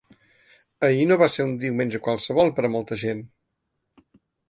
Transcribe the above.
Ahir no va ser un diumenge qualsevol per a molta gent.